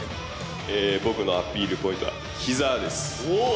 僕のアピールポイントはひざです。